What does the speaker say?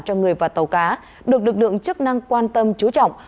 cho người và tàu cá được lực lượng chức năng quan tâm chú trọng